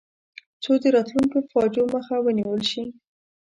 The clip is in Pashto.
څو د راتلونکو فاجعو مخه ونیول شي.